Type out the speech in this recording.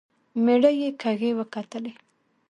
مېړه يې کږې وکتلې.